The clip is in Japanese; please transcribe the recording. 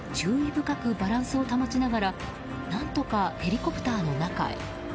深くバランスを保ちながら何とかヘリコプターの中へ。